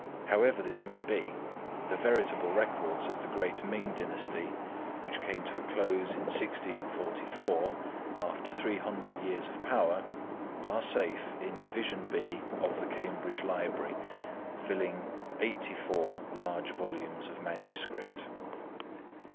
However this may be, the "Veritable Records" of the great Ming dynasty, which came to a close in 1644, after three hundred years of power, are safe in Division B of the Cambridge Library, filling eighty four large volumes of manuscript.